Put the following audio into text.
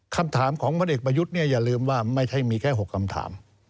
คำถามของพระเด็กประยุทธ์อย่าลืมว่ามันไม่ใช่มีแค่๖คำถาม